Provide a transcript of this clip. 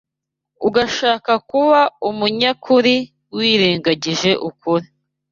ugashaka kuba umunyakuri wirengagije Kuri